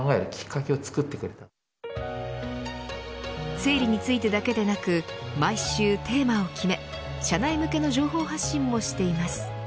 生理についてだけでなく毎週テーマを決め社内向けの情報発信もしています。